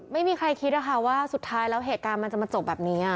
ไม่มีใครคิดนะคะว่าสุดท้ายแล้วเหตุการณ์มันจะมาจบแบบนี้